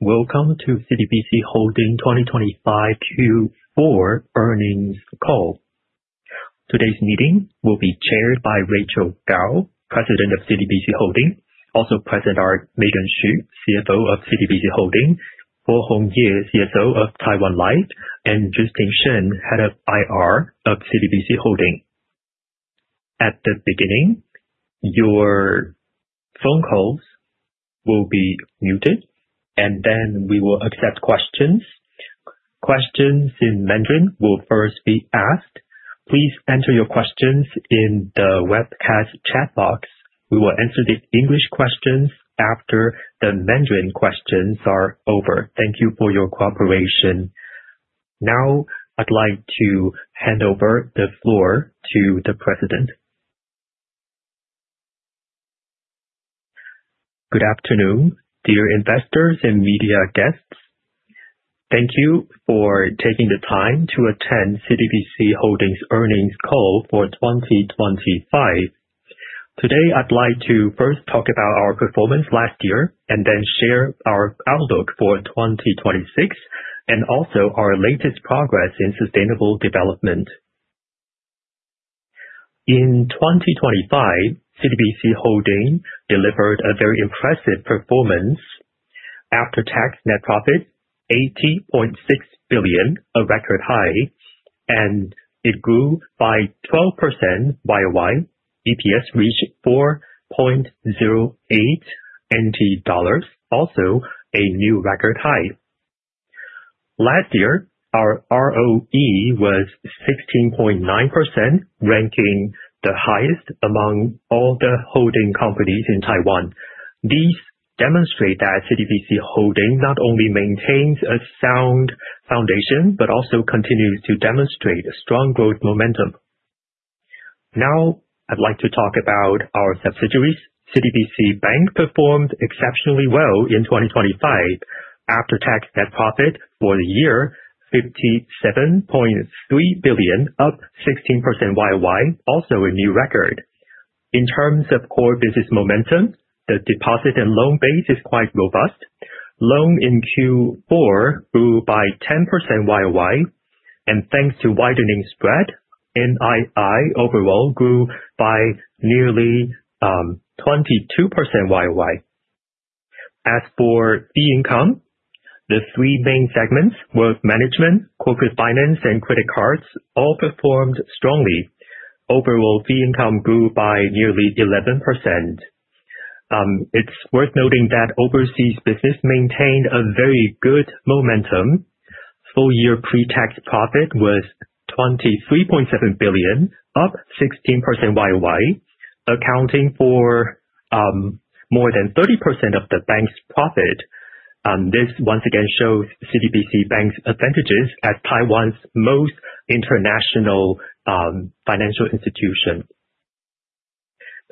Welcome to CTBC Holding FY 2025 Q4 earnings call. Today's meeting will be chaired by Rachael Kao, President of CTBC Holding. Also present are Meijian Xu, CFO of CTBC Holding, Pohong Yeh, CFO of Taiwan Life, and Justin Shen, Head of IR of CTBC Holding. At the beginning, your phone calls will be muted. Then we will accept questions. Questions in Mandarin will first be asked. Please enter your questions in the webcast chat box. We will answer the English questions after the Mandarin questions are over. Thank you for your cooperation. I'd like to hand over the floor to the President. Good afternoon, dear investors and media guests. Thank you for taking the time to attend CTBC Holding's earnings call for FY 2025. I'd like to first talk about our performance last year, then share our outlook for FY 2026, and also our latest progress in sustainable development. In FY 2025, CTBC Holding delivered a very impressive performance. After-tax net profit NT$80.6 billion, a record high. It grew by 12% year-over-year. EPS reached NT$4.08, also a new record high. Last year, our ROE was 16.9%, ranking the highest among all the holding companies in Taiwan. These demonstrate that CTBC Holding not only maintains a sound foundation, but also continues to demonstrate a strong growth momentum. I'd like to talk about our subsidiaries. CTBC Bank performed exceptionally well in FY 2025. After-tax net profit for the year, NT$57.3 billion, up 16% year-over-year, also a new record. In terms of core business momentum, the deposit and loan base is quite robust. Loan in Q4 grew by 10% year-over-year. Thanks to widening spread, NII overall grew by nearly 22% year-over-year. As for fee income, the three main segments, wealth management, corporate finance, and credit cards all performed strongly. Overall fee income grew by nearly 11%. It's worth noting that overseas business maintained a very good momentum. Full year pre-tax profit was NT$23.7 billion, up 16% year-over-year, accounting for more than 30% of the bank's profit. This once again shows CTBC Bank's advantages as Taiwan's most international financial institution.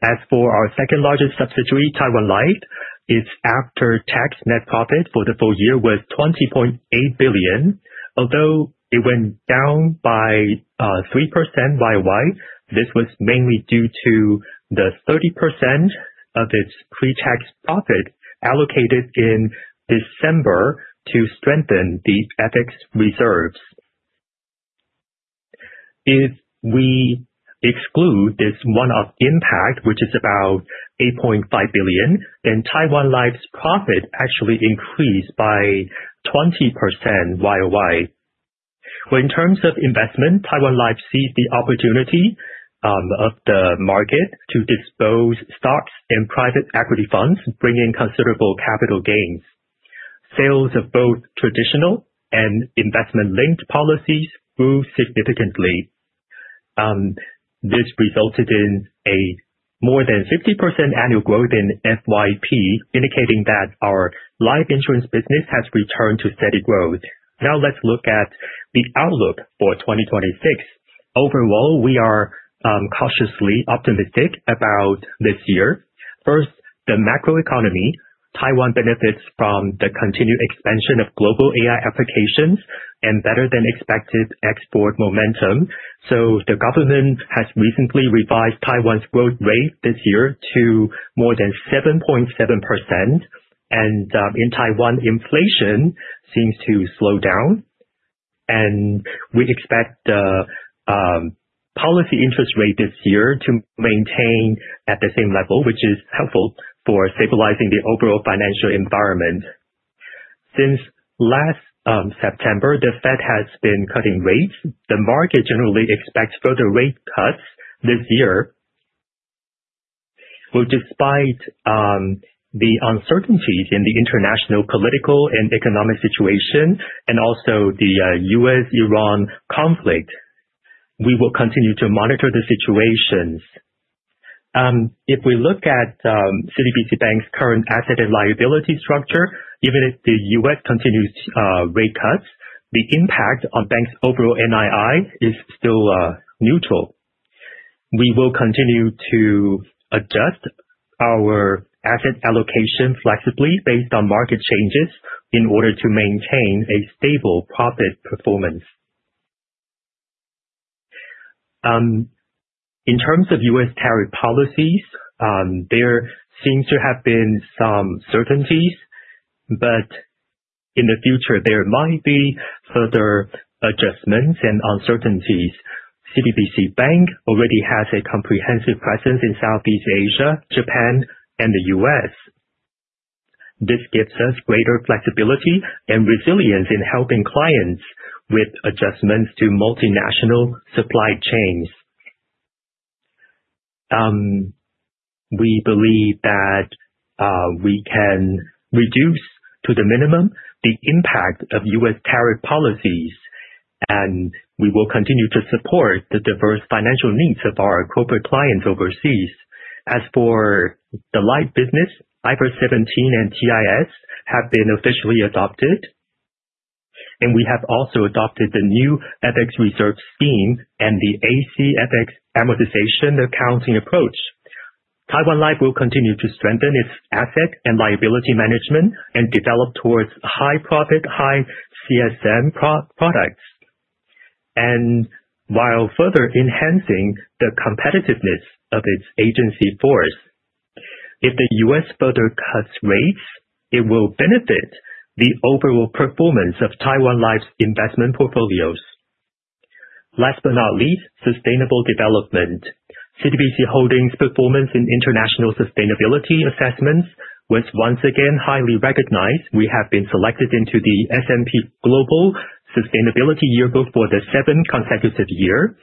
As for our second-largest subsidiary, Taiwan Life, its after-tax net profit for the full year was NT$20.8 billion. Although it went down by 3% year-over-year, this was mainly due to the 30% of its pre-tax profit allocated in December to strengthen the ethics reserves. If we exclude this one-off impact, which is about NT$8.5 billion, Taiwan Life's profit actually increased by 20% year-over-year. In terms of investment, Taiwan Life seized the opportunity of the market to dispose stocks and private equity funds, bring in considerable capital gains. Sales of both traditional and investment-linked policies grew significantly. This resulted in a more than 50% annual growth in FYP, indicating that our life insurance business has returned to steady growth. Let's look at the outlook for FY 2026. Overall, we are cautiously optimistic about this year. First, the macroeconomy. Taiwan benefits from the continued expansion of global AI applications and better than expected export momentum. The government has recently revised Taiwan's growth rate this year to more than 7.7%. In Taiwan, inflation seems to slow down. We expect the policy interest rate this year to maintain at the same level, which is helpful for stabilizing the overall financial environment. Since last September, the Fed has been cutting rates. The market generally expects further rate cuts this year. Despite the uncertainties in the international political and economic situation, and also the US-Iran conflict, we will continue to monitor the situations. If we look at CTBC Bank's current asset and liability structure, even if the U.S. continues rate cuts, the impact on bank's overall NII is still neutral. We will continue to adjust our asset allocation flexibly based on market changes in order to maintain a stable profit performance. In terms of U.S. tariff policies, there seems to have been some certainties, but in the future, there might be further adjustments and uncertainties. CTBC Bank already has a comprehensive presence in Southeast Asia, Japan, and the U.S. This gives us greater flexibility and resilience in helping clients with adjustments to multinational supply chains. We believe that we can reduce to the minimum, the impact of U.S. tariff policies, and we will continue to support the diverse financial needs of our corporate clients overseas. As for the life business, IFRS 17 and TIS have been officially adopted. We have also adopted the new FX reserve scheme and the AC FX amortization accounting approach. Taiwan Life will continue to strengthen its asset and liability management and develop towards high profit, high CSM products, and while further enhancing the competitiveness of its agency force. If the U.S. further cuts rates, it will benefit the overall performance of Taiwan Life's investment portfolios. Last but not least, sustainable development. CTBC Holdings' performance in international sustainability assessments was once again highly recognized. We have been selected into the S&P Global Sustainability Yearbook for the seventh consecutive year.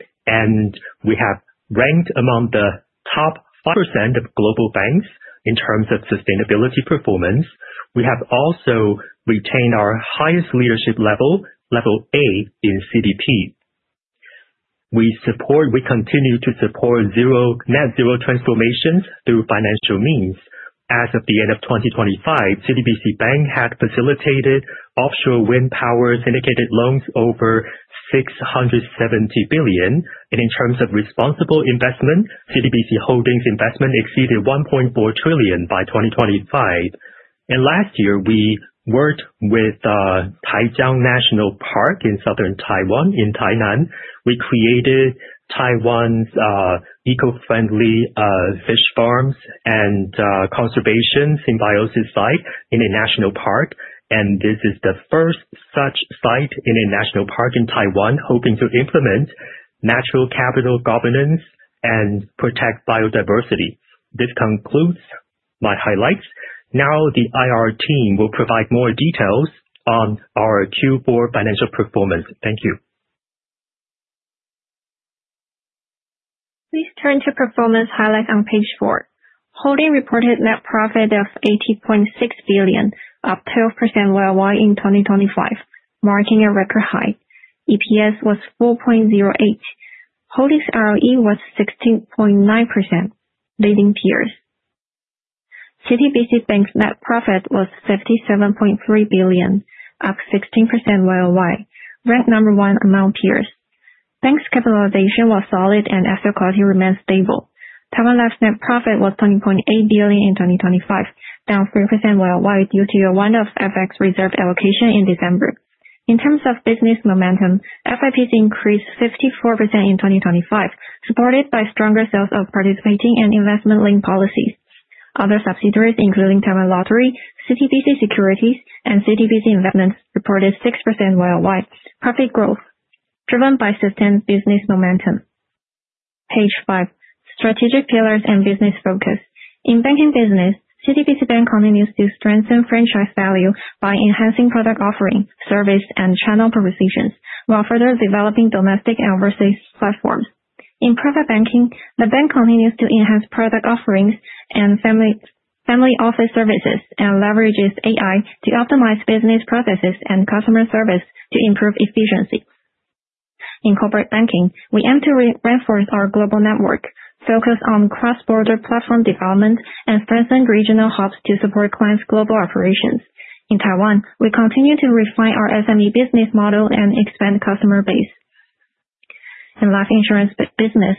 We have ranked among the top 5% of global banks in terms of sustainability performance. We have also retained our highest leadership level A in CDP. We continue to support net zero transformations through financial means. As of the end of 2025, CTBC Bank had facilitated offshore wind power syndicated loans over 670 billion. In terms of responsible investment, CTBC Holdings' investment exceeded 1.4 trillion by 2025. Last year, we worked with Taijiang National Park in Southern Taiwan in Tainan. We created Taiwan's eco-friendly fish farms and conservation symbiosis site in a national park, and this is the first such site in a national park in Taiwan, hoping to implement natural capital governance and protect biodiversity. This concludes my highlights. Now the IR team will provide more details on our Q4 financial performance. Thank you. Please turn to performance highlight on page four. Holding reported net profit of 80.6 billion, up 12% year-over-year in 2025, marking a record high. EPS was 4.08. Holding's ROE was 16.9%, leading peers. CTBC Bank's net profit was 57.3 billion, up 16% year-over-year. Ranked number 1 among peers. Bank's capitalization was solid and asset quality remained stable. Taiwan Life's net profit was 20.8 billion in 2025, down 3% year-over-year due to a one-off FX reserve allocation in December. In terms of business momentum, FIPs increased 54% in 2025, supported by stronger sales of participating and investment-linked policies. Other subsidiaries, including Taiwan Lottery, CTBC Securities, and CTBC Investments, reported 6% year-over-year profit growth driven by sustained business momentum. Page five, strategic pillars and business focus. In banking business, CTBC Bank continues to strengthen franchise value by enhancing product offerings, service, and channel precision, while further developing domestic and overseas platforms. In private banking, the bank continues to enhance product offerings and family office services, and leverages AI to optimize business processes and customer service to improve efficiency. In corporate banking, we aim to reinforce our global network, focus on cross-border platform development, and strengthen regional hubs to support clients' global operations. In Taiwan, we continue to refine our SME business model and expand customer base. In life insurance business,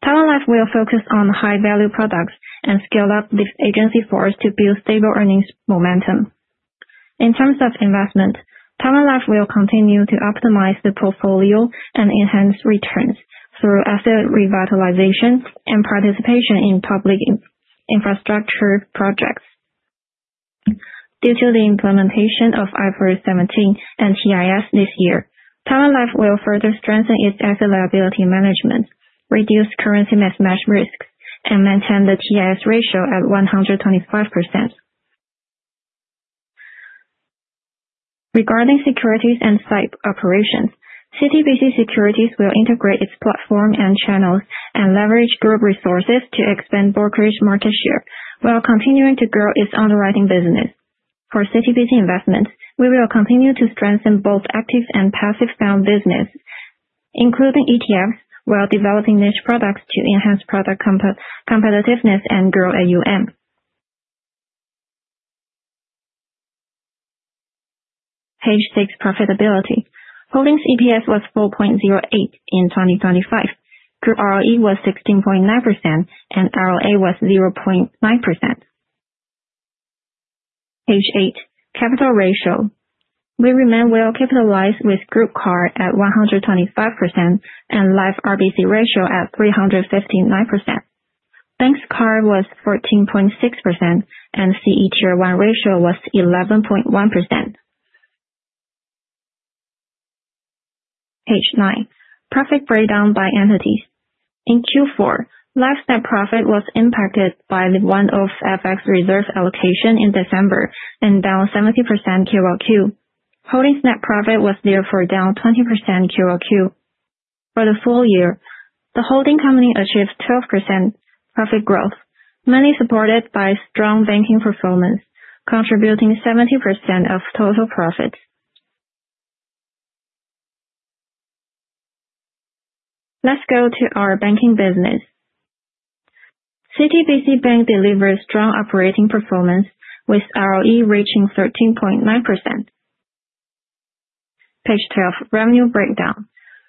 Taiwan Life will focus on high-value products and scale up the agency force to build stable earnings momentum. In terms of investment, Taiwan Life will continue to optimize the portfolio and enhance returns through asset revitalization and participation in public infrastructure projects. Due to the implementation of IFRS 17 and TIS this year, Taiwan Life will further strengthen its asset liability management, reduce currency mismatch risks, and maintain the TIS ratio at 125%. Regarding securities and FIP operations, CTBC Securities will integrate its platform and channels and leverage group resources to expand brokerage market share while continuing to grow its underwriting business. For CTBC Investments, we will continue to strengthen both active and passive fund business, including ETFs, while developing niche products to enhance product competitiveness and grow AUM. Page six, profitability. Holding's EPS was 4.08 in 2025. Group ROE was 16.9% and ROA was 0.9%. Page eight, capital ratio. We remain well capitalized with group CAR at 125% and life RBC ratio at 359%. Bank CAR was 14.6% and CE Tier 1 ratio was 11.1%. Page nine, profit breakdown by entities. In Q4, life net profit was impacted by the one-off FX reserve allocation in December and down 70% quarter-over-quarter. Holding net profit was therefore down 20% quarter-over-quarter. For the full year, the holding company achieved 12% profit growth, mainly supported by strong banking performance, contributing 70% of total profits. Let's go to our banking business. CTBC Bank delivers strong operating performance, with ROE reaching 13.9%. Page 12, revenue breakdown.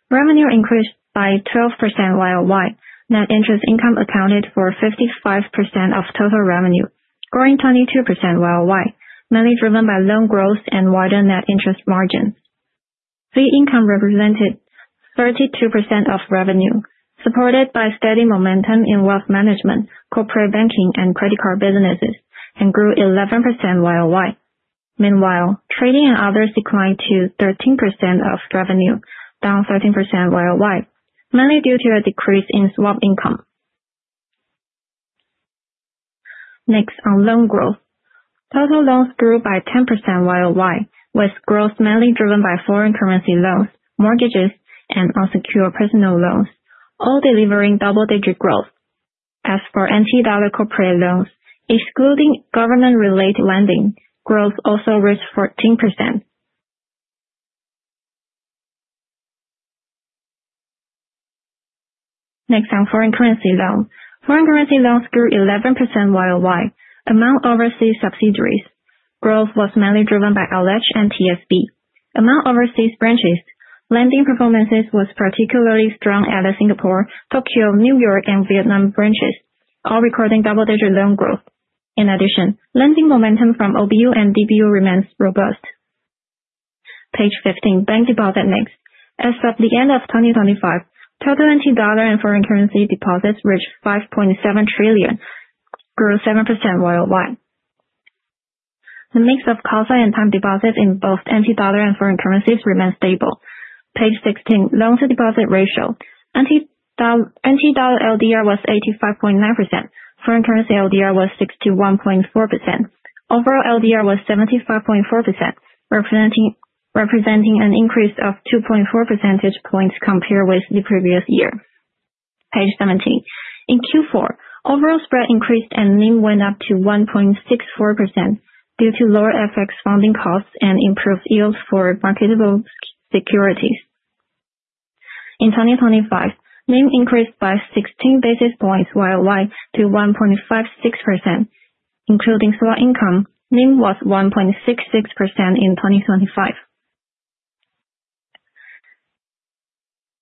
Revenue increased by 12% year-over-year. Net interest income accounted for 55% of total revenue, growing 22% year-over-year, mainly driven by loan growth and wider net interest margins. Fee income represented 32% of revenue, supported by steady momentum in wealth management, corporate banking and credit card businesses, and grew 11% year-over-year. Meanwhile, trading and others declined to 13% of revenue, down 13% year-over-year, mainly due to a decrease in swap income. Next, on loan growth. Total loans grew by 10% year-over-year, with growth mainly driven by foreign currency loans, mortgages, and unsecured personal loans, all delivering double-digit growth. As for NT dollar corporate loans, excluding government-related lending, growth also reached 14%. Next on foreign currency loans. Foreign currency loans grew 11% year-over-year. Among overseas subsidiaries, growth was mainly driven by AU LH and TSB. Among overseas branches, lending performance was particularly strong out of Singapore, Tokyo, New York, and Vietnam branches, all recording double-digit loan growth. In addition, lending momentum from OBU and DBU remains robust. Page 15, bank deposit mix. As of the end of 2025, total NT dollar and foreign currency deposits reached 5.7 trillion, grew 7% year-over-year. The mix of CASA and time deposits in both NT dollar and foreign currencies remains stable. Page 16, loans-to-deposit ratio. NT dollar LDR was 85.9%. Foreign currency LDR was 61.4%. Overall, LDR was 75.4%, representing an increase of 2.4 percentage points compared with the previous year. Page 17. In Q4, overall spread increased and NIM went up to 1.64% due to lower FX funding costs and improved yields for marketable securities. In 2025, NIM increased by 16 basis points year-over-year to 1.56%, including swap income, NIM was 1.66% in 2025.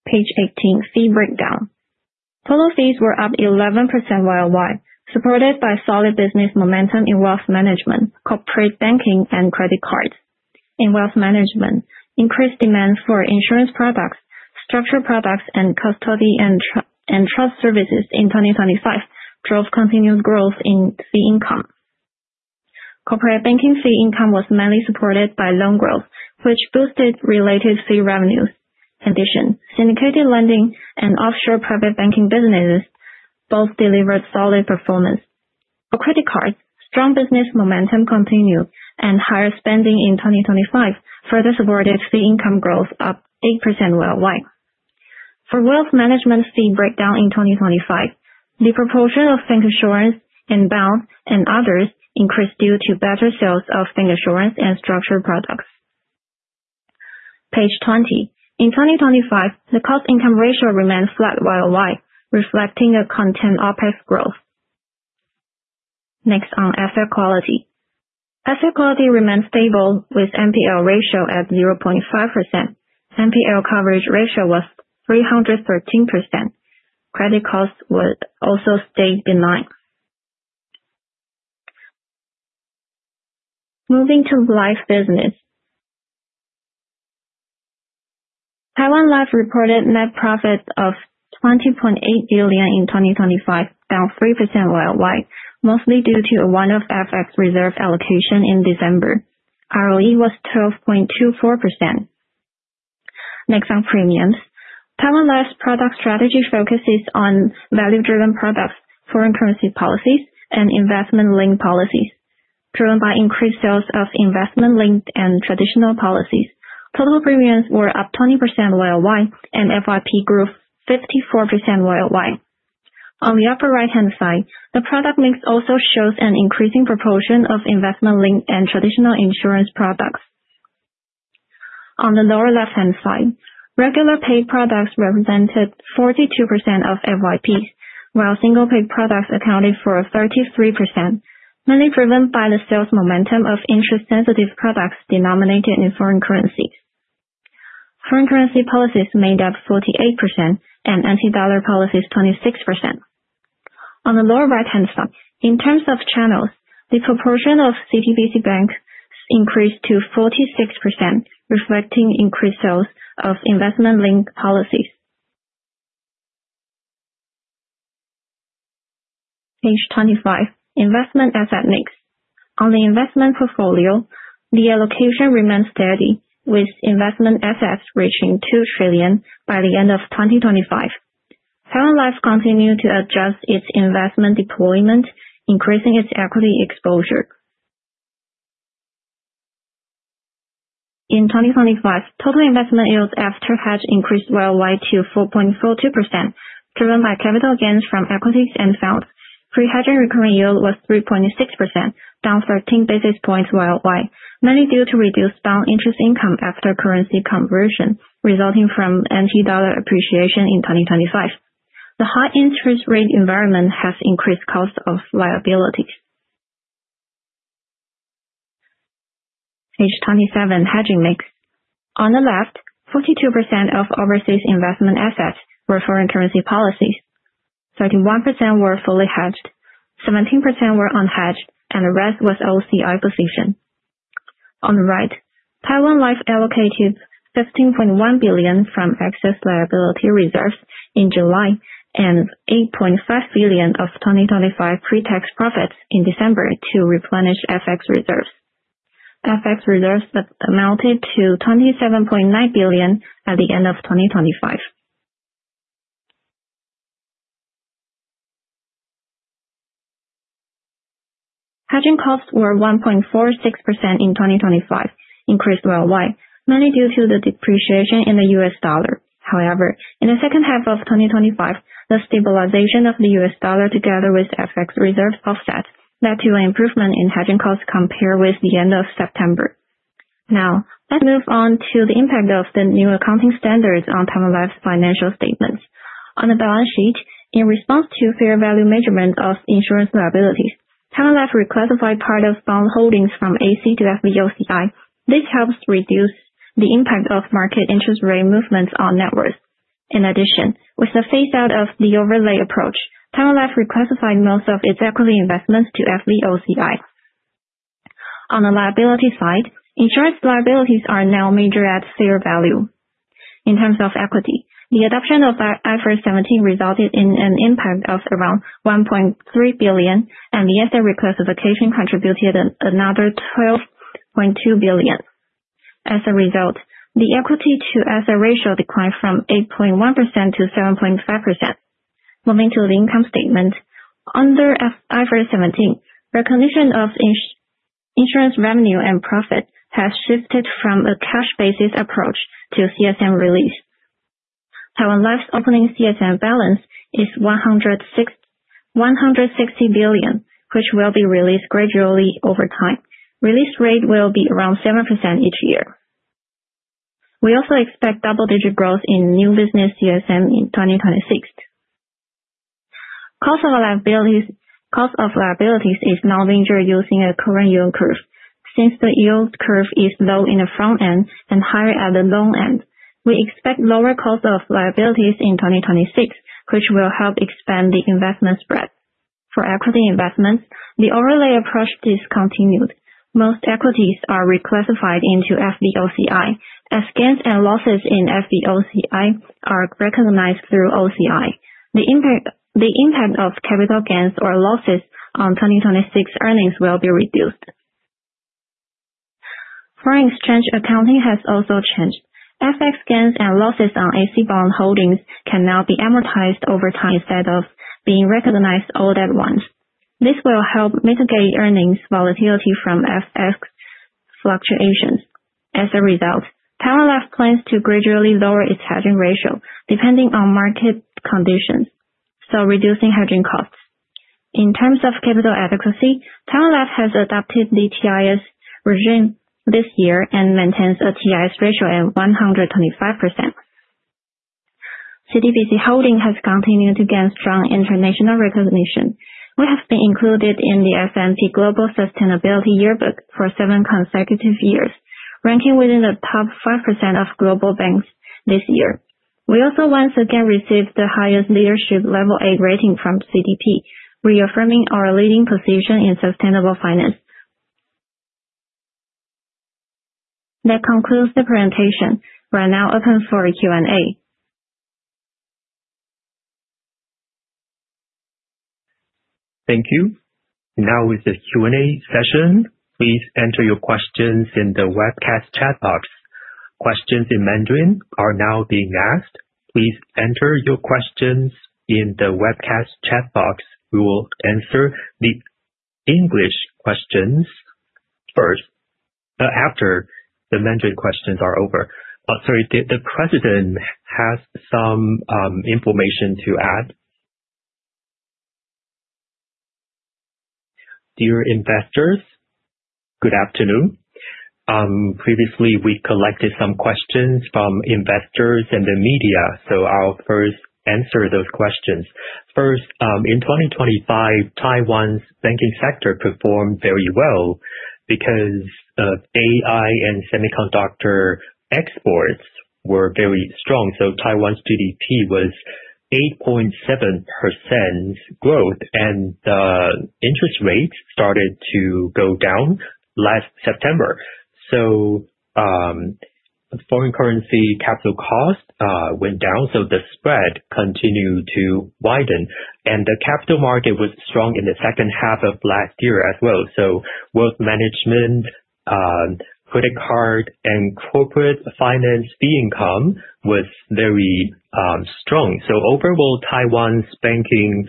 Page 18, fee breakdown. Total fees were up 11% year-over-year, supported by solid business momentum in wealth management, corporate banking and credit cards. In wealth management, increased demand for insurance products, structural products, and custody and trust services in 2025 drove continued growth in fee income. Corporate banking fee income was mainly supported by loan growth, which boosted related fee revenues. In addition, syndicated lending and offshore private banking businesses both delivered solid performance. For credit cards, strong business momentum continued, and higher spending in 2025 further supported fee income growth up 8% year-over-year. For wealth management fee breakdown in 2025, the proportion of bank assurance, inbound, and others increased due to better sales of bank assurance and structured products. Page 20. In 2025, the cost income ratio remained flat year-over-year, reflecting a contained OPEX growth. Next, on asset quality. Asset quality remained stable with NPL ratio at 0.5%. NPL coverage ratio was 313%. Credit costs would also stay in line. Moving to life business. Taiwan Life reported net profits of 20.8 billion in 2025, down 3% year-over-year, mostly due to a one-off FX reserve allocation in December. ROE was 12.24%. Next on premiums. Taiwan Life product strategy focuses on value driven products, foreign currency policies, and investment linked policies. Driven by increased sales of investment linked and traditional policies, total premiums were up 20% year-over-year, and FYP grew 54% year-over-year. On the upper right-hand side, the product mix also shows an increasing proportion of investment linked and traditional insurance products. On the lower left-hand side, regular paid products represented 42% of FYPs, while single paid products accounted for 33%, mainly driven by the sales momentum of interest sensitive products denominated in foreign currencies. Foreign currency policies made up 48%, and NT dollar policies, 26%. On the lower right-hand side, in terms of channels, the proportion of CTBC Bank increased to 46%, reflecting increased sales of investment-linked policies. Page 25, investment asset mix. On the investment portfolio, the allocation remains steady, with investment assets reaching 2 trillion by the end of 2025. Taiwan Life continued to adjust its investment deployment, increasing its equity exposure. In 2025, total investment yields after hedge increased worldwide to 4.42%, driven by capital gains from equities and FAD. Pre-hedging requirement yield was 3.6%, down 13 basis points worldwide, mainly due to reduced bond interest income after currency conversion, resulting from NT dollar appreciation in 2025. The high interest rate environment has increased costs of liabilities. Page 27, hedging mix. On the left, 42% of overseas investment assets were foreign currency policies, 31% were fully hedged, 17% were unhedged, and the rest was OCI position. On the right, Taiwan Life allocated 15.1 billion from excess liability reserves in July and 8.5 billion of 2025 pre-tax profits in December to replenish FX reserves. FX reserves amounted to 27.9 billion at the end of 2025. Hedging costs were 1.46% in 2025, increased worldwide, mainly due to the depreciation in the US dollar. In the second half of 2025, the stabilization of the US dollar together with FX reserve offsets led to an improvement in hedging costs compared with the end of September. Let's move on to the impact of the new accounting standards on Taiwan Life's financial statements. On the balance sheet, in response to fair value measurement of insurance liabilities, Taiwan Life reclassified part of bond holdings from AC to FVOCI. This helps reduce the impact of market interest rate movements on net worth. In addition, with the phase-out of the overlay approach, Taiwan Life reclassified most of its equity investments to FVOCI. On the liability side, insurance liabilities are now measured at fair value. In terms of equity, the adoption of IFRS 17 resulted in an impact of around 1.3 billion, and the asset reclassification contributed another 12.2 billion. The equity to asset ratio declined from 8.1% to 7.5%. Moving to the income statement, under IFRS 17, recognition of insurance revenue and profit has shifted from a cash basis approach to CSM release. Taiwan Life's opening CSM balance is 160 billion, which will be released gradually over time. Release rate will be around 7% each year. We also expect double-digit growth in new business CSM in 2026. Cost of liabilities is now measured using a current yield curve. The yield curve is low in the front end and higher at the long end, we expect lower cost of liabilities in 2026, which will help expand the investment spread. For equity investments, the overlay approach discontinued. Most equities are reclassified into FVOCI, as gains and losses in FVOCI are recognized through OCI. The impact of capital gains or losses on 2026 earnings will be reduced. Foreign exchange accounting has also changed. FX gains and losses on AC bond holdings can now be amortized over time instead of being recognized all at once. This will help mitigate earnings volatility from FX fluctuations. Taiwan Life plans to gradually lower its hedging ratio, depending on market conditions, reducing hedging costs. In terms of capital adequacy, Taiwan Life has adopted the TIS regime this year and maintains a TIS ratio at 125%. CTBC Holding has continued to gain strong international recognition. We have been included in the S&P Global Sustainability Yearbook for seven consecutive years, ranking within the top 5% of global banks this year. We also once again received the highest leadership level A rating from CDP, reaffirming our leading position in sustainable finance. That concludes the presentation. We are now open for a Q&A. Thank you. With the Q&A session, please enter your questions in the webcast chat box. Questions in Mandarin are now being asked. Please enter your questions in the webcast chat box. We will answer the English questions after the Mandarin questions are over. Sorry, the president has some information to add. Dear investors, good afternoon. We collected some questions from investors and the media, I'll first answer those questions. In 2025, Taiwan's banking sector performed very well. AI and semiconductor exports were very strong, Taiwan's GDP was 8.7% growth. The interest rate started to go down last September. Foreign currency capital cost went down, the spread continued to widen. The capital market was strong in the second half of last year as well, wealth management, credit card, and corporate finance fee income was very strong. Overall, Taiwan's banking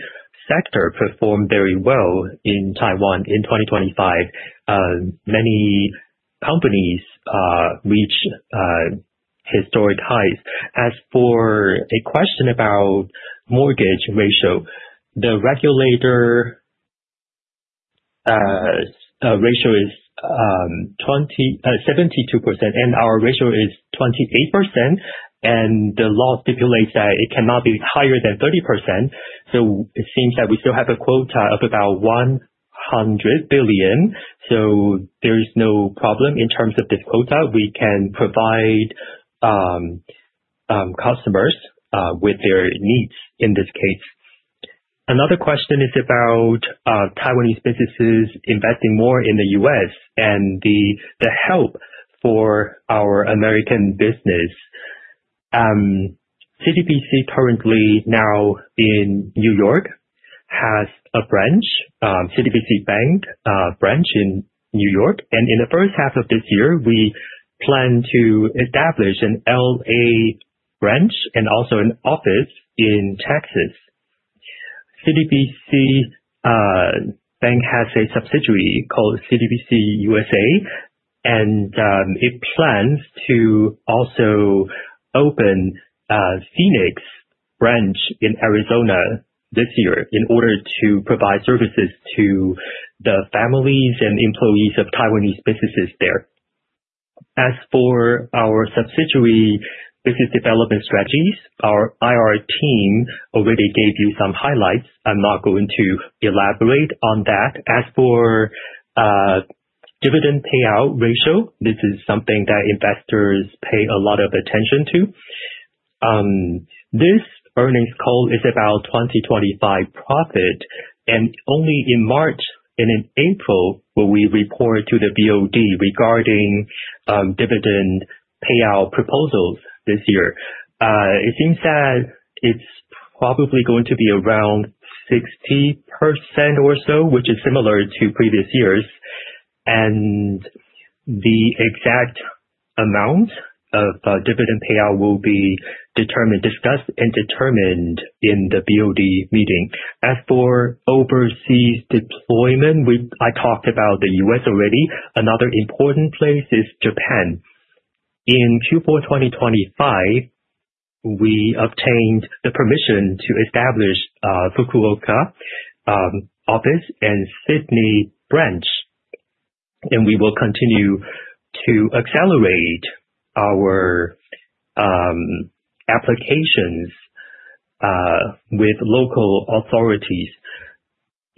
sector performed very well in Taiwan in 2025. Many companies reached historic highs. As for a question about mortgage ratio, the regulator ratio is 72%, and our ratio is 28%, and the law stipulates that it cannot be higher than 30%. It seems that we still have a quota of about 100 billion. There's no problem in terms of this quota. We can provide customers with their needs in this case. Another question is about Taiwanese businesses investing more in the U.S. and the help for our American business. CTBC Bank currently now in New York has a branch, CTBC Bank branch in New York. In the first half of this year, we plan to establish an L.A. branch and also an office in Texas. CTBC Bank has a subsidiary called CTBC USA, it plans to also open a Phoenix branch in Arizona this year in order to provide services to the families and employees of Taiwanese businesses there. As for our subsidiary business development strategies, our IR team already gave you some highlights. I'm not going to elaborate on that. As for dividend payout ratio, this is something that investors pay a lot of attention to. This earnings call is about 2025 profit, only in March and in April will we report to the BOD regarding dividend payout proposals this year. It seems that it's probably going to be around 60% or so, which is similar to previous years. The exact amount of dividend payout will be discussed and determined in the BOD meeting. As for overseas deployment, I talked about the U.S. already. Another important place is Japan. In Q4 2025, we obtained the permission to establish Fukuoka office and Sydney branch, we will continue to accelerate our applications with local authorities.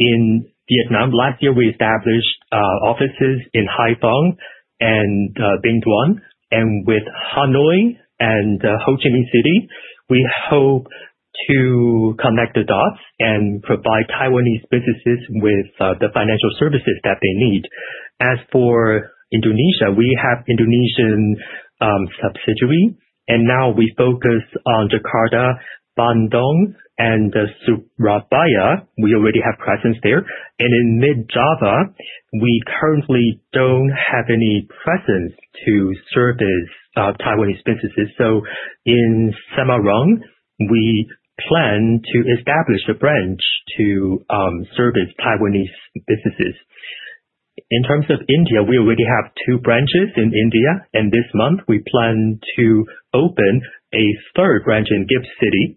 In Vietnam, last year we established offices in Haiphong and Binh Thuan, with Hanoi and Ho Chi Minh City, we hope to connect the dots and provide Taiwanese businesses with the financial services that they need. As for Indonesia, we have Indonesian subsidiary, now we focus on Jakarta, Bandung, and Surabaya. We already have presence there. In Central Java, we currently don't have any presence to service Taiwanese businesses. In Semarang, we plan to establish a branch to service Taiwanese businesses. In terms of India, we already have two branches in India, this month we plan to open a third branch in GIFT City.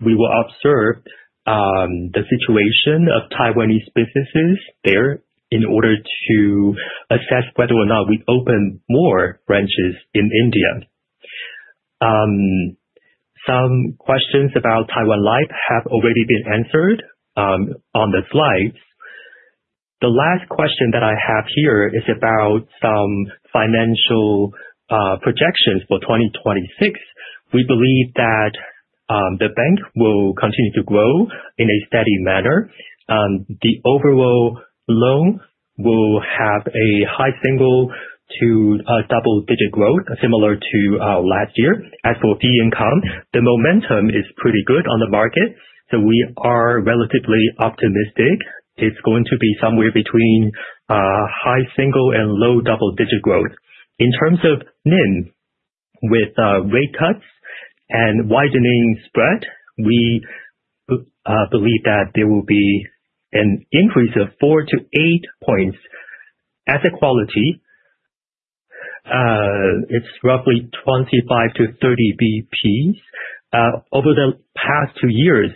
We will observe the situation of Taiwanese businesses there in order to assess whether or not we open more branches in India. Some questions about Taiwan Life have already been answered on the slides. The last question that I have here is about some financial projections for 2026. We believe that the bank will continue to grow in a steady manner. The overall loan will have a high single to double-digit growth, similar to last year. As for fee income, the momentum is pretty good on the market, we are relatively optimistic it's going to be somewhere between high single and low double-digit growth. In terms of NIM, with rate cuts and widening spread, we believe that there will be an increase of 4-8 points. Asset quality, it's roughly 25-30 BPs. Over the past two years,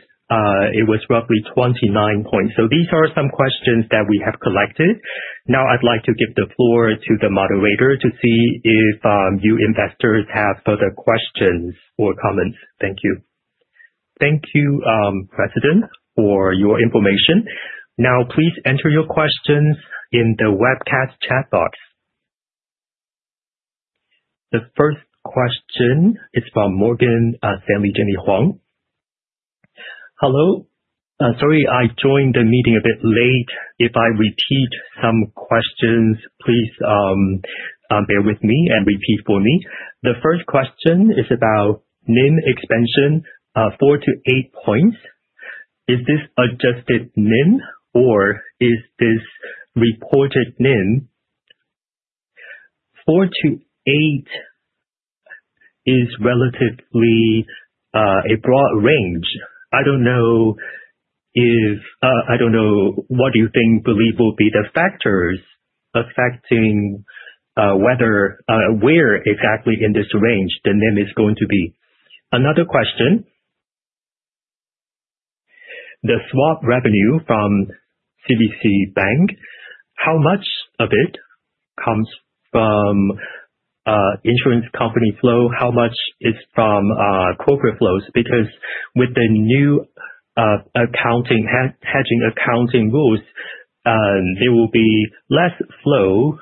it was roughly 29 points. These are some questions that we have collected. Now I'd like to give the floor to the moderator to see if you investors have further questions or comments. Thank you. Thank you, president, for your information. Now, please enter your questions in the webcast chat box. The first question is from Morgan Stanley, Jenny Huang. Hello. Sorry, I joined the meeting a bit late. If I repeat some questions, please bear with me and repeat for me. The first question is about NIM expansion, 4 to 8 points. Is this adjusted NIM, or is this reported NIM? 4 to 8 is relatively a broad range. I don't know what you believe will be the factors affecting where exactly in this range the NIM is going to be. Another question. The swap revenue from CTBC Bank, how much of it comes from insurance company flow? How much is from corporate flows? With the new hedging accounting rules, there will be less flow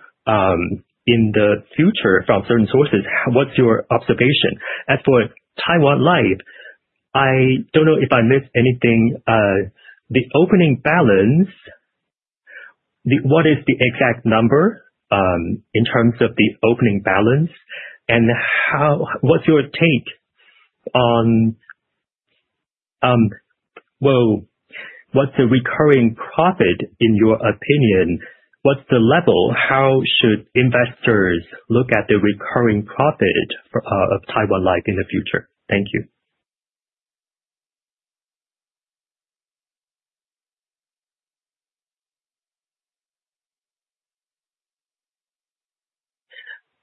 in the future from certain sources. What's your observation? As for Taiwan Life, I don't know if I missed anything. The opening balance, what is the exact number in terms of the opening balance? And what's your take on what's the recurring profit, in your opinion? What's the level? How should investors look at the recurring profit of Taiwan Life in the future? Thank you.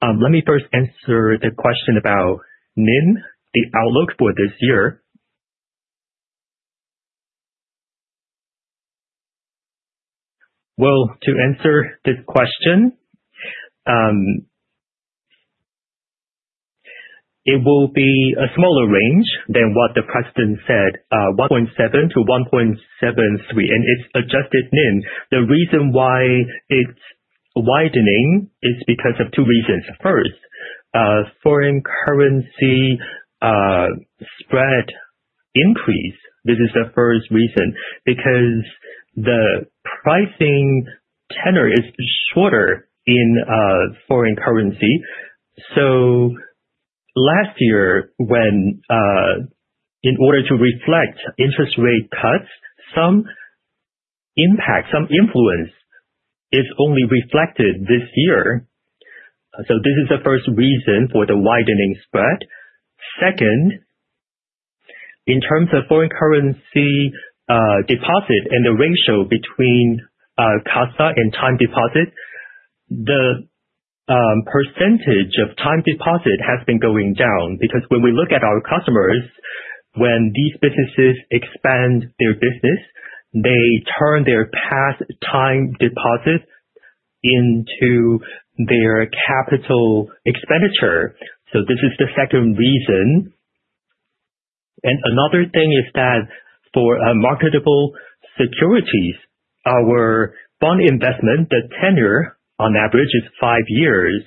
Let me first answer the question about NIM, the outlook for this year. To answer this question, it will be a smaller range than what the president said, 1.7 to 1.73, and it's adjusted NIM. The reason why it's widening is because of 2 reasons. Foreign currency spread increase. This is the first reason, the pricing tenor is shorter in foreign currency. Last year, in order to reflect interest rate cuts, some impact, some influence is only reflected this year. This is the first reason for the widening spread. In terms of foreign currency deposit and the ratio between CASA and time deposit, the percentage of time deposit has been going down because when we look at our customers, when these businesses expand their business, they turn their past time deposits into their capital expenditure. This is the second reason. Another thing is that for marketable securities, our bond investment, the tenor on average is 5 years.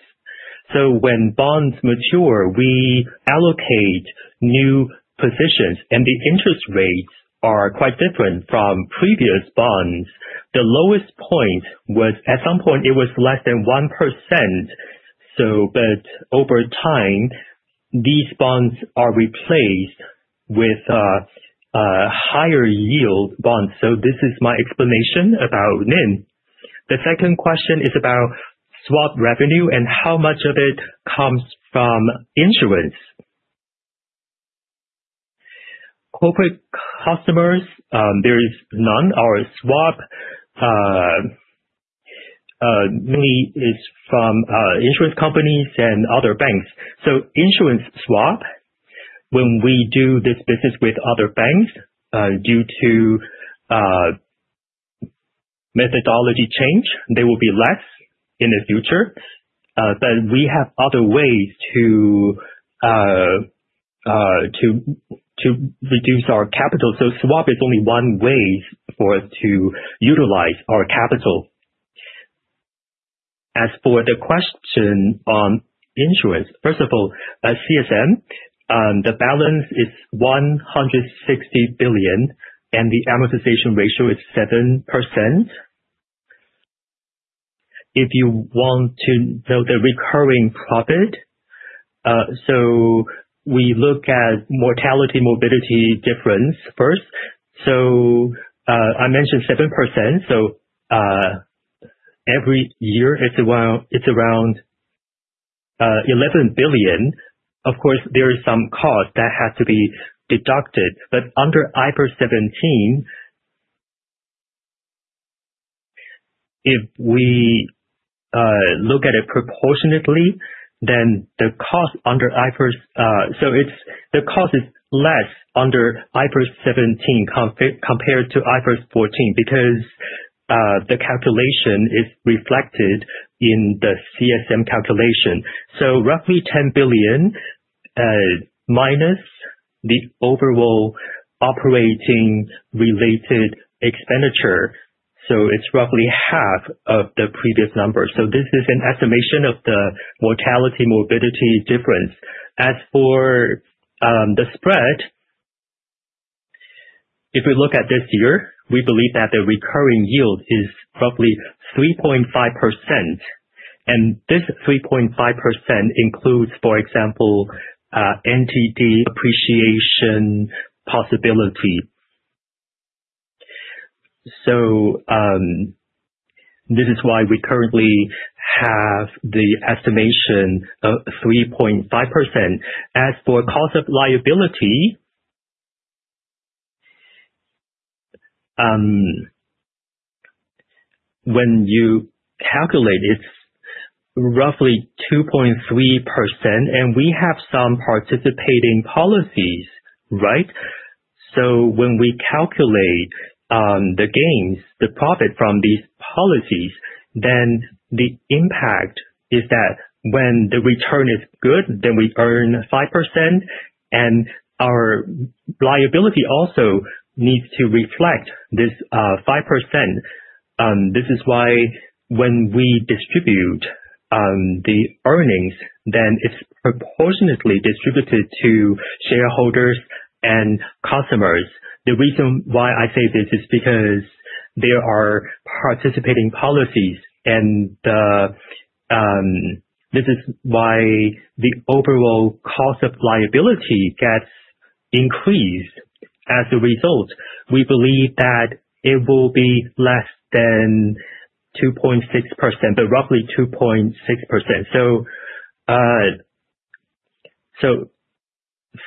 When bonds mature, we allocate new positions, and the interest rates are quite different from previous bonds. The lowest point was, at some point, it was less than 1%. Over time, these bonds are replaced with higher yield bonds. This is my explanation about NIM. The second question is about swap revenue and how much of it comes from insurance. Corporate customers, there is none. Our swap mainly is from insurance companies and other banks. Insurance swap, when we do this business with other banks, due to methodology change, they will be less in the future. We have other ways to reduce our capital. Swap is only one way for us to utilize our capital. As for the question on insurance, first of all, CSM, the balance is 160 billion, and the amortization ratio is 7%. If you want to know the recurring profit, we look at mortality, morbidity difference first. I mentioned 7%, every year it's around 11 billion. Of course, there is some cost that has to be deducted. Under IFRS 17, if we look at it proportionately, the cost is less under IFRS 17 compared to IFRS 4 because the calculation is reflected in the CSM calculation. Roughly 10 billion minus the overall operating-related expenditure. It's roughly half of the previous number. This is an estimation of the mortality, morbidity difference. As for the spread, if we look at this year, we believe that the recurring yield is roughly 3.5%, and this 3.5% includes, for example, NTD appreciation possibility. This is why we currently have the estimation of 3.5%. As for cost of liability, when you calculate it's roughly 2.3%, and we have some participating policies, right? When we calculate the gains, the profit from these policies, the impact is that when the return is good, we earn 5% and our liability also needs to reflect this 5%. This is why when we distribute the earnings, it's proportionately distributed to shareholders and customers. The reason why I say this is because there are participating policies and this is why the overall cost of liability gets increased as a result. We believe that it will be less than 2.6%, but roughly 2.6%.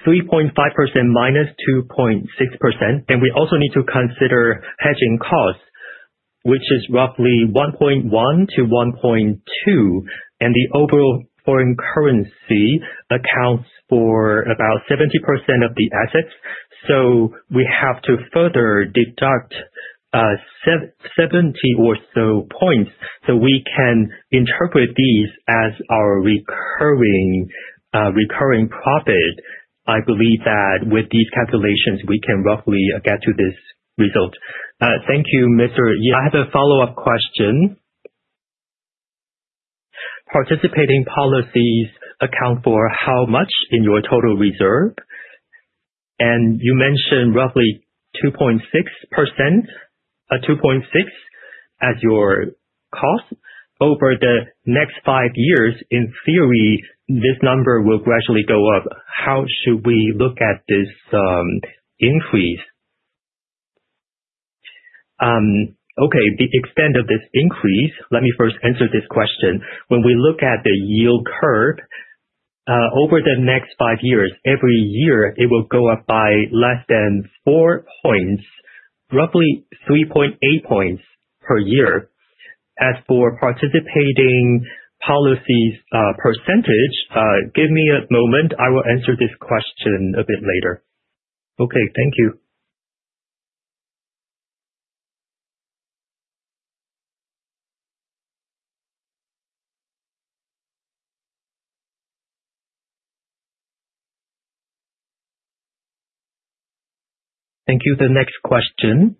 3.5% minus 2.6%, and we also need to consider hedging costs, which is roughly 1.1 to 1.2, and the overall foreign currency accounts for about 70% of the assets. We have to further deduct 70 basis points or so so we can interpret these as our recurring profit. I believe that with these calculations, we can roughly get to this result. Thank you, Mr. Ye. I have a follow-up question. Participating policies account for how much in your total reserve? You mentioned roughly 2.6% as your cost. Over the next five years, in theory, this number will gradually go up. How should we look at this increase? The extent of this increase, let me first answer this question. When we look at the yield curve, over the next five years, every year, it will go up by less than four basis points, roughly 3.8 basis points per year. As for participating policies percentage, give me a moment. I will answer this question a bit later. Thank you. Thank you. The next question.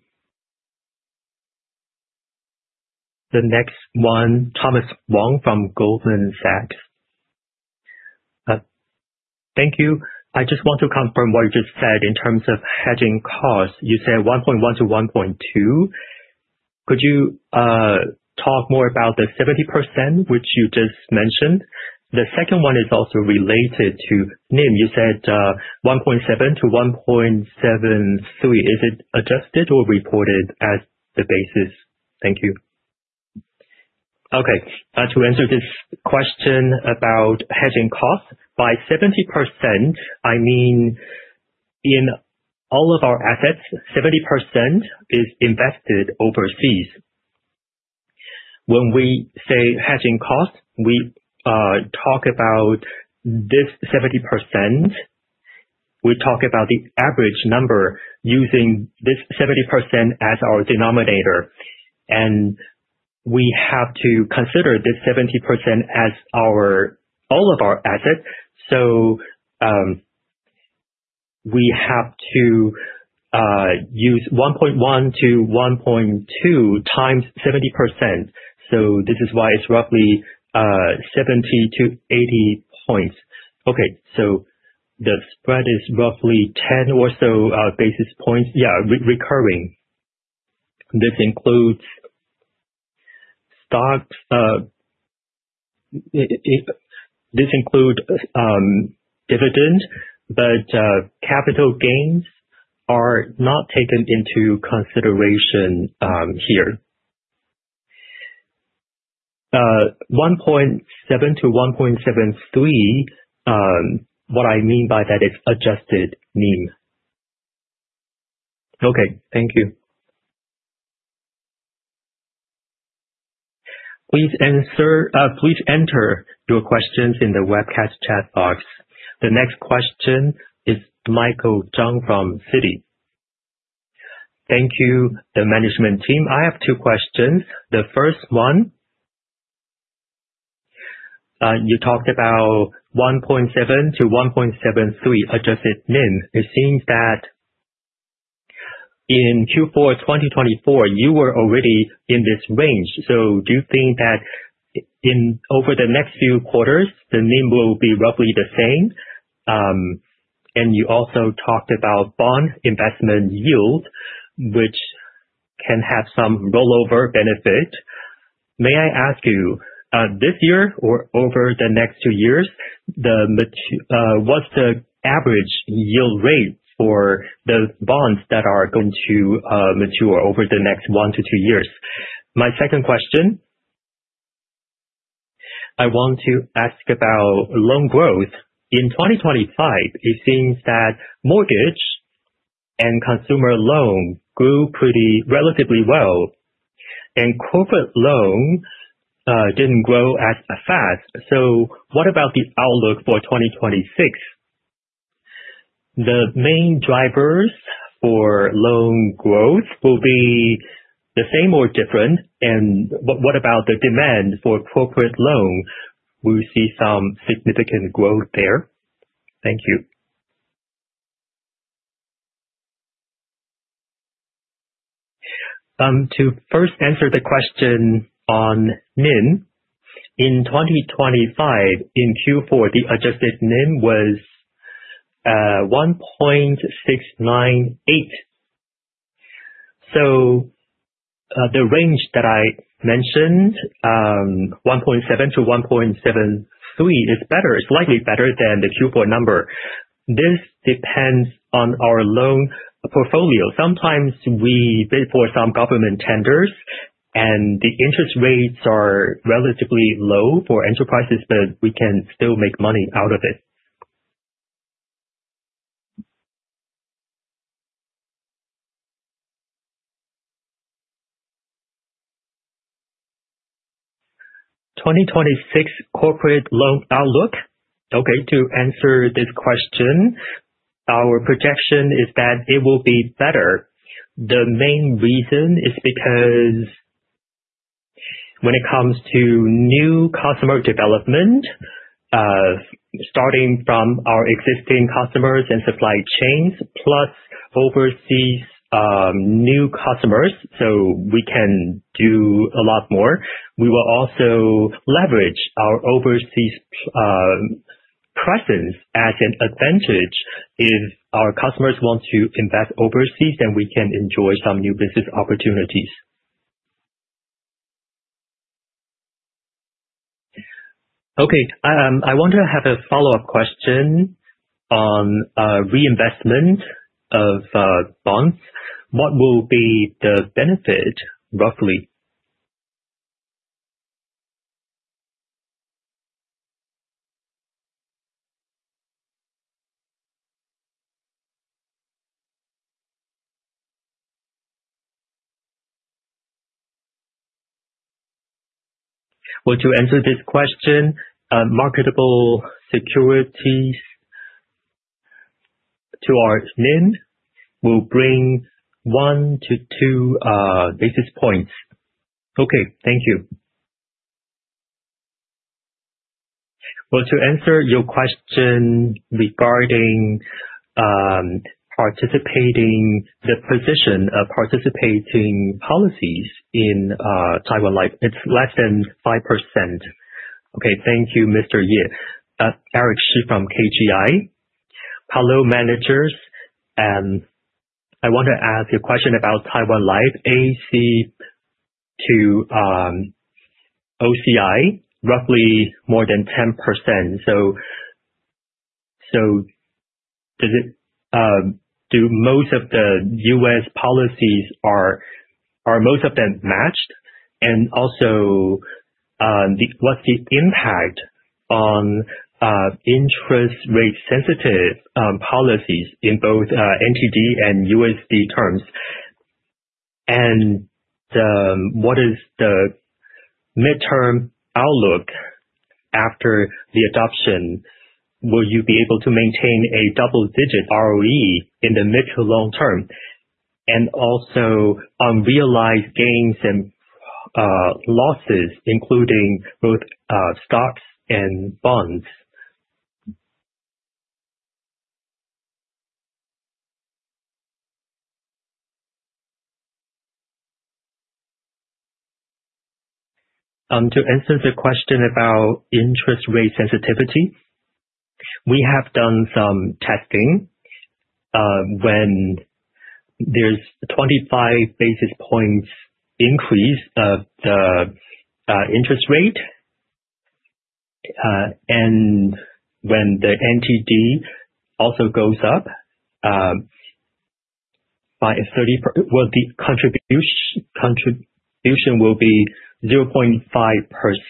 The next one, Thomas Wong from Goldman Sachs. Thank you. I just want to confirm what you just said in terms of hedging costs. You said 1.1 to 1.2. Could you talk more about the 70%, which you just mentioned? The second one is also related to NIM. You said, 1.7 to 1.73. Is it adjusted or reported as the basis? Thank you. To answer this question about hedging costs, by 70%, I mean in all of our assets, 70% is invested overseas. When we say hedging costs, we talk about this 70%. We talk about the average number using this 70% as our denominator. We have to consider this 70% as all of our assets. We have to use 1.1 to 1.2 times 70%. This is why it's roughly 70 to 80 basis points. The spread is roughly 10 or so basis points. Yeah, recurring. This includes dividend, capital gains are not taken into consideration here. 1.7 to 1.73, what I mean by that is adjusted NIM. Thank you. Please enter your questions in the webcast chat box. The next question is Michael Chang from Citi. Thank you. The management team, I have two questions. The first one, you talked about 1.7 to 1.73 adjusted NIM. It seems that in Q4 2024, you were already in this range. Do you think that over the next few quarters, the NIM will be roughly the same? You also talked about bond investment yield, which can have some rollover benefit. May I ask you, this year or over the next two years, what's the average yield rate for those bonds that are going to mature over the next one to two years? My second question, I want to ask about loan growth. In 2025, it seems that mortgage and consumer loan grew pretty relatively well, and corporate loan didn't grow as fast. What about the outlook for 2026? The main drivers for loan growth will be the same or different, and what about the demand for corporate loan? Will we see some significant growth there? Thank you. To first answer the question on NIM, in 2025, in Q4, the adjusted NIM was 1.698. The range that I mentioned, 1.7 to 1.73, it's better. It's slightly better than the Q4 number. This depends on our loan portfolio. Sometimes we bid for some government tenders, and the interest rates are relatively low for enterprises, but we can still make money out of it. 2026 corporate loan outlook. To answer this question, our projection is that it will be better. The main reason is because when it comes to new customer development, starting from our existing customers and supply chains, plus overseas new customers, so we can do a lot more. We will also leverage our overseas presence as an advantage. If our customers want to invest overseas, then we can enjoy some new business opportunities. I want to have a follow-up question on reinvestment of bonds. What will be the benefit, roughly? To answer this question, marketable securities to our NIM will bring one to two basis points. Thank you. To answer your question regarding the position of participating policies in Taiwan Life, it's less than 5%. Thank you, Mr. Yeh. Eric Xu from KGI. Hello, managers. I want to ask you a question about Taiwan Life AC to OCI, roughly more than 10%. Do most of the U.S. policies, are most of them matched? What's the impact on interest rate sensitive policies in both NTD and USD terms? What is the midterm outlook after the adoption? Will you be able to maintain a double-digit ROE in the mid to long term? Unrealized gains and losses, including both stocks and bonds. To answer the question about interest rate sensitivity, we have done some testing. When there's 25 basis points increase of the interest rate, and when the NTD also goes up, the contribution will be 0.5%.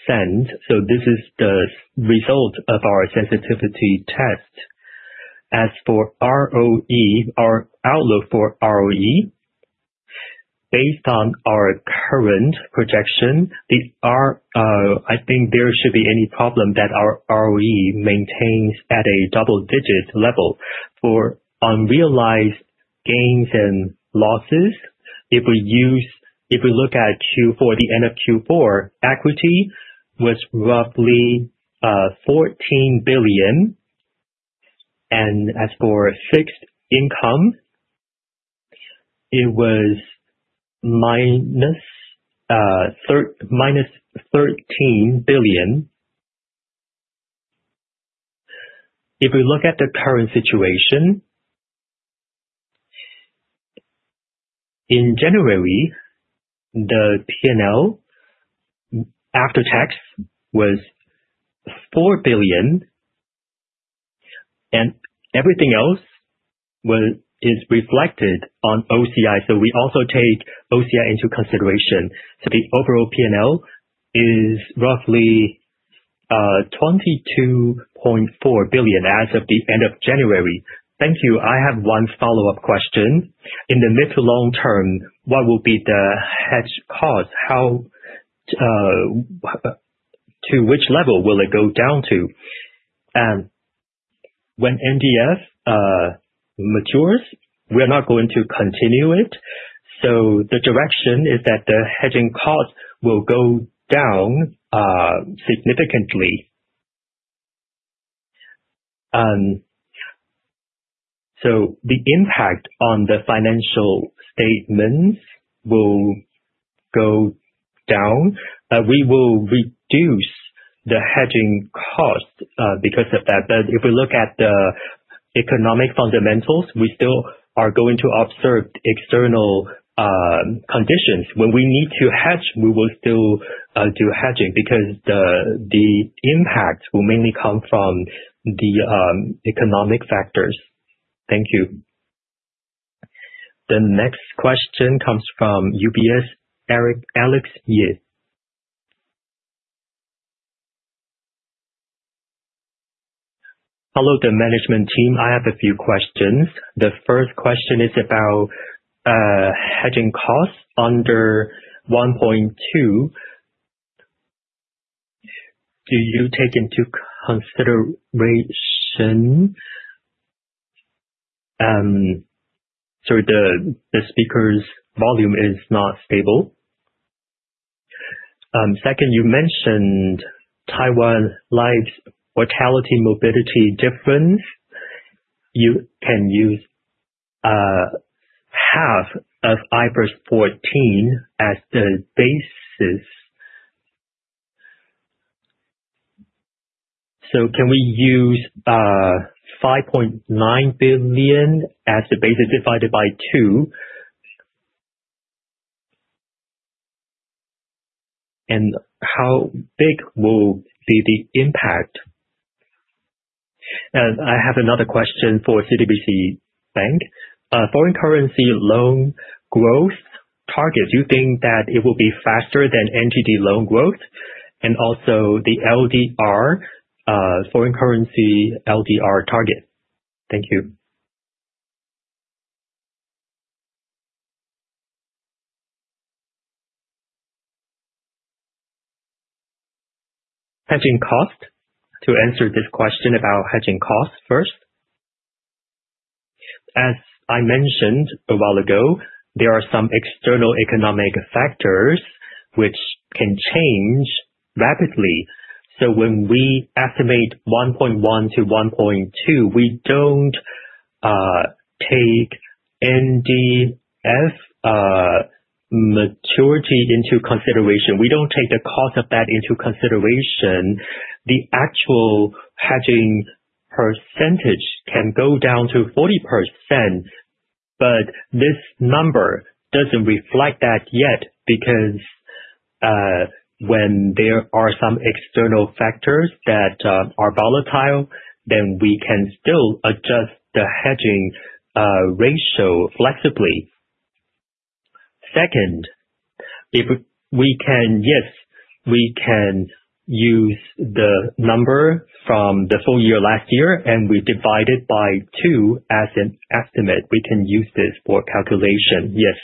This is the result of our sensitivity test. As for ROE, our outlook for ROE, based on our current projection, I think there should be any problem that our ROE maintains at a double-digit level. For unrealized gains and losses, if we look at the end of Q4, equity was roughly 14 billion, and as for fixed income, it was minus TWD 13 billion. If we look at the current situation, in January, the P&L after tax was 4 billion, and everything else is reflected on OCI. We also take OCI into consideration. The overall P&L is roughly 22.4 billion as of the end of January. Thank you. I have one follow-up question. In the mid to long term, what will be the hedge cost? To which level will it go down to? When NDF matures, we're not going to continue it. The direction is that the hedging cost will go down significantly. The impact on the financial statements will go down. We will reduce the hedging cost because of that. If we look at the economic fundamentals, we still are going to observe external conditions. When we need to hedge, we will still do hedging, because the impact will mainly come from the economic factors. Thank you. The next question comes from UBS, Alex Yeh. Hello, the management team. I have a few questions. The first question is about hedging costs under 1.2. Do you take into consideration. Second, you mentioned Taiwan Life's mortality, morbidity difference. You can use half of IFRS 4 as the basis. Can we use 5.9 billion as the basis divided by two, and how big will be the impact? I have another question for CTBC Bank. Foreign currency loan growth target, do you think that it will be faster than NTD loan growth? And also the foreign currency LDR target. Thank you. Hedging cost. To answer this question about hedging cost first. As I mentioned a while ago, there are some external economic factors which can change rapidly. When we estimate 1.1 to 1.2, we don't take NDF maturity into consideration. We don't take the cost of that into consideration. The actual hedging percentage can go down to 40%, but this number doesn't reflect that yet, because when there are some external factors that are volatile, then we can still adjust the hedging ratio flexibly. Second, yes, we can use the number from the full year last year, and we divide it by two as an estimate. We can use this for calculation, yes.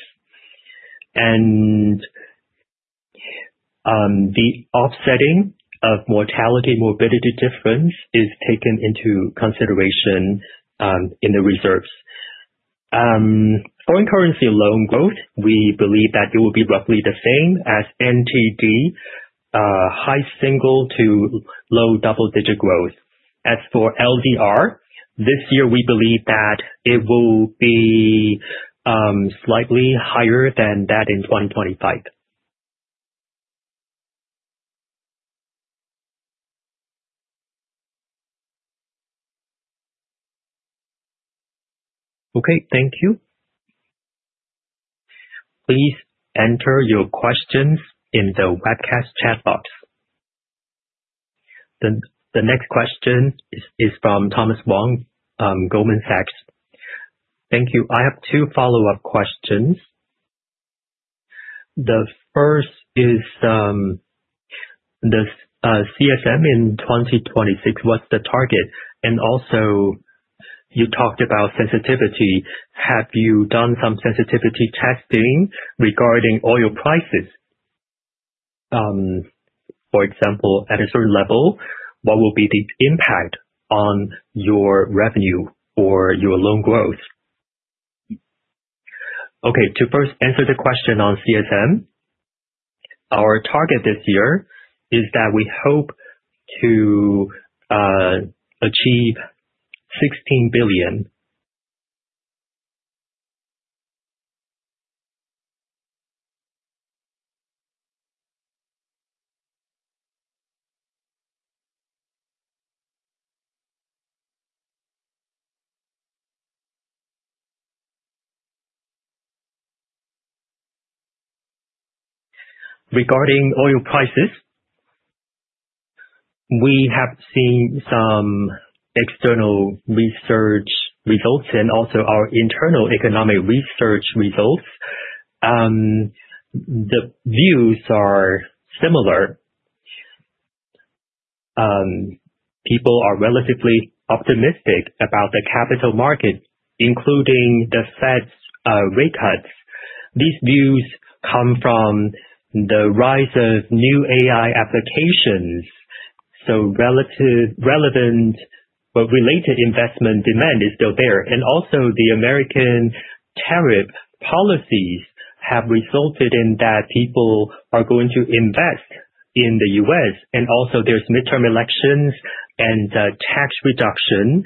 And the offsetting of mortality, morbidity difference is taken into consideration in the reserves. Foreign currency loan growth, we believe that it will be roughly the same as NTD, high single- to low double-digit growth. As for LDR, this year, we believe that it will be slightly higher than that in 2025. Okay. Thank you. Please enter your questions in the webcast chat box. The next question is from Thomas Wong, Goldman Sachs. Thank you. I have two follow-up questions. The first is the CSM in 2026, what's the target? You talked about sensitivity. Have you done some sensitivity testing regarding oil prices? For example, at a certain level, what will be the impact on your revenue or your loan growth? Okay, to first answer the question on CSM. Our target this year is that we hope to achieve TWD 16 billion. Regarding oil prices, we have seen some external research results and also our internal economic research results. The views are similar. People are relatively optimistic about the capital market, including the Fed's rate cuts. These views come from the rise of new AI applications. Relevant but related investment demand is still there. The American tariff policies have resulted in that people are going to invest in the U.S., and also there's midterm elections and tax reduction.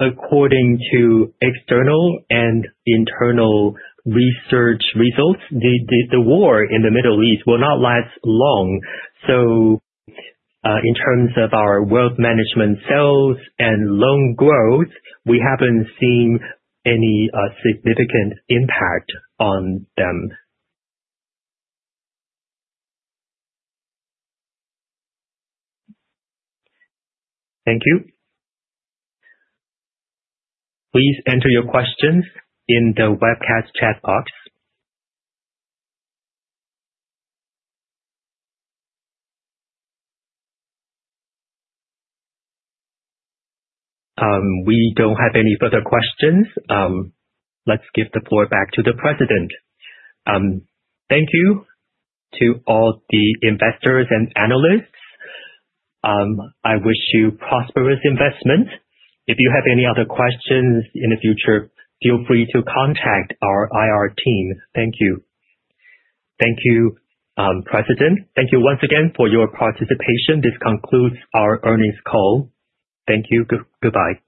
According to external and internal research results, the war in the Middle East will not last long. In terms of our wealth management sales and loan growth, we haven't seen any significant impact on them. Thank you. Please enter your questions in the webcast chat box. We don't have any further questions. Let's give the floor back to the President. Thank you to all the investors and analysts. I wish you prosperous investment. If you have any other questions in the future, feel free to contact our IR team. Thank you. Thank you, President. Thank you once again for your participation. This concludes our earnings call. Thank you. Goodbye.